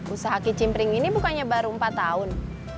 usaha kicimpring ini bukannya baru empat tahun